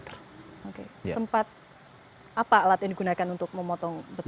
sempat apa alat yang digunakan untuk memotong beton